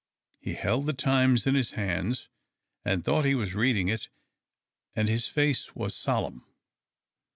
He held the Times in his hands, and thought he was reading it, and his face was solemn.